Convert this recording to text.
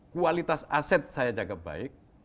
kualitas aset saya jaga baik